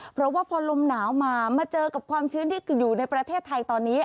เพราะว่าพอลมหนาวมามาเจอกับความชื้นที่อยู่ในประเทศไทยตอนนี้